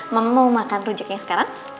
mau makan rujaknya sekarang